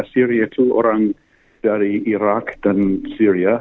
syria itu orang dari irak dan syria